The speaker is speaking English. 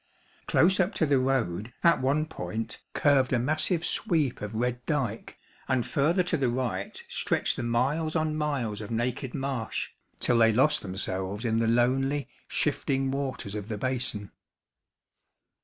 Close up to the road, at one point, curved a massive sweep of red dike, and further to the right stretched the miles on miles of naked marsh, till they lost themselves in the lonely, shifting waters of the Basin.